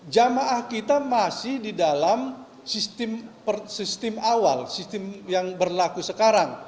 jamaah kita masih di dalam sistem awal sistem yang berlaku sekarang